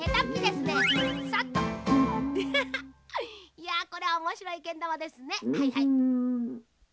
いやこれはおもしろいけんだまですね。